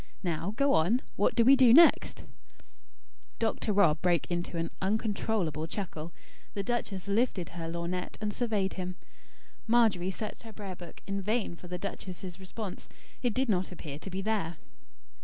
Now, go on. What do we do next?" Dr. Rob broke into an uncontrollable chuckle. The duchess lifted her lorgnette, and surveyed him. Margery searched her prayer book in vain for the duchess's response. It did not appear to be there.